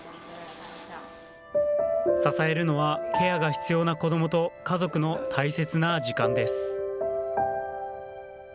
支えるのはケアが必要な子どもと家族の大切な時間です。